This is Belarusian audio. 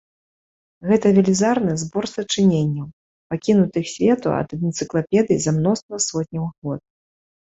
Гэта велізарны збор сачыненняў, пакінутых свету ад энцыклапедый, за мноства сотняў год.